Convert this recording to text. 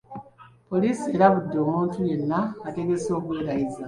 Poliisi erabudde omuntu yenna ategese okwerayiza